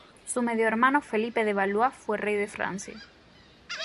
Su medio hermano Felipe de Valois fue rey de Francia.